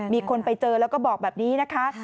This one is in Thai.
มีคนไปเจอแล้วก็บอกแบบนี้นะคะ